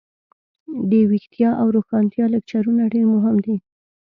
دویښتیا او روښانتیا لکچرونه ډیر مهم دي.